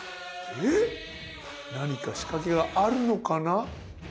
何か仕掛けがあるのかな？